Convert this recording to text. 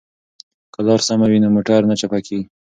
که لار سمه وي نو موټر نه چپه کیږي.